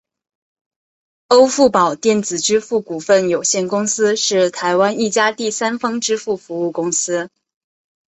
欧付宝电子支付股份有限公司是台湾一家第三方支付服务公司。